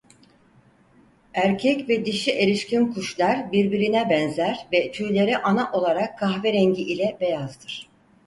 Erkek ve dişi erişkin kuşlar birbirine benzer ve tüyleri ana olarak kahverengi ile beyazdır.